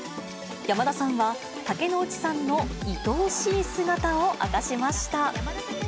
山田さんは、竹野内さんのいとおしい姿を明かしました。